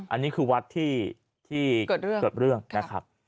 อันนี้คือวัดที่เกิดเรื่องนะครับ